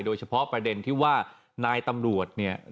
โดยเฉพาะประเด็นที่ว่านายตำรวจเนี่ย